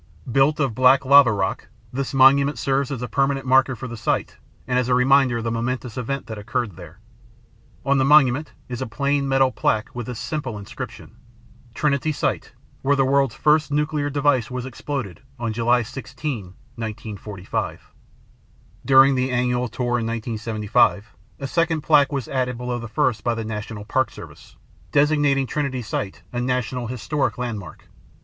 Built of black lava rock, this monument serves as a permanent marker for the site and as a reminder of the momentous event that occurred there. On the monument is a plain metal plaque with this simple inscription: "Trinity Site Where the World's First Nuclear Device Was Exploded on July 16, 1945." During the annual tour in 1975, a second plaque was added below the first by The National Park Service, designating Trinity Site a National Historic Landmark.